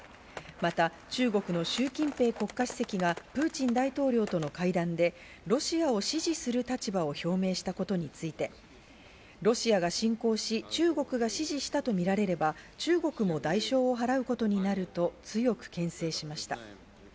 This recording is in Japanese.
また、中国のシュウ・キンペイ国家主席がプーチン大統領との会談でロシアを支持する立場を表明したことについて、ロシアが侵攻し、中国が指示したと見られれば、中国も代償を払うことになると強く牽制しました。